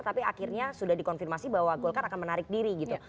tapi akhirnya sudah dikonfirmasi bahwa golkar akan menarik diri gitu